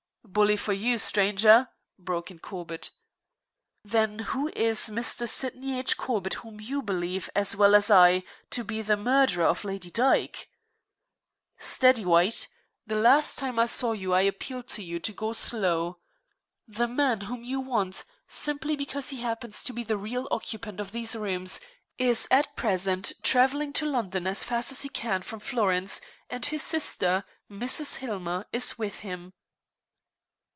"Bully for you, stranger!" broke in Corbett. "Then who is Mr. Sydney H. Corbett whom you believe, as well as I, to be the murderer of Lady Dyke?" "Steady, White. The last time I saw you I appealed to you to go slow. The man whom you want, simply because he happens to be the real occupant of these rooms, is at present travelling to London as fast he can from Florence, and his sister, Mrs. Hillmer, is with him."